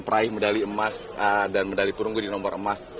peraih medali emas dan medali perunggu di nomor emas